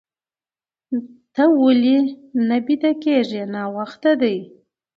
ته ولې نه بيده کيږې؟ ناوخته دي.